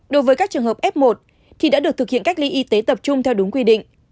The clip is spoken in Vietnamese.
đối với các trường hợp f một thì đã được thực hiện cách ly y tế tập trung theo đúng quy định